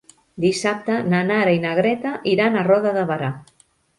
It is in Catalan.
Dissabte na Nara i na Greta iran a Roda de Berà.